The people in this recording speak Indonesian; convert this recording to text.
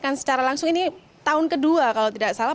saya ingin menanyakan secara langsung ini tahun kedua kalau tidak salah